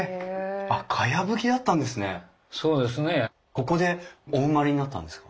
ここでお生まれになったんですか？